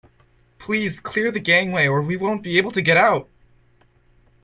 Please clear the gangway or we won't be able to get out